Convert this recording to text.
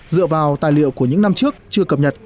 dựa vào tài liệu của những năm trước chưa cập nhật